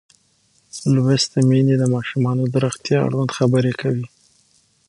لوستې میندې د ماشومانو د روغتیا اړوند خبرې کوي.